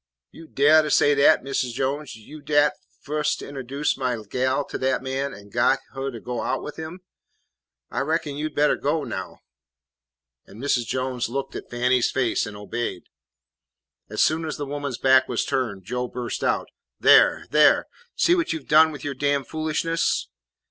"You daih to say dat, Mis' Jones, you dat fust interduced my gal to dat man and got huh to go out wid him? I reckon you 'd bettah go now." And Mrs. Jones looked at Fannie's face and obeyed. As soon as the woman's back was turned, Joe burst out, "There, there! see what you 've done with your damned foolishness."